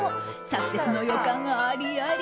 サクセスの予感ありあり！